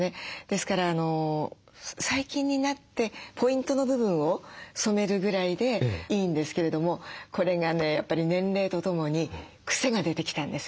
ですから最近になってポイントの部分を染めるぐらいでいいんですけれどもこれがねやっぱり年齢とともに癖が出てきたんです。